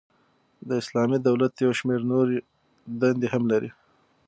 د اسلامی دولت یو شمیر نوري دندي هم لري.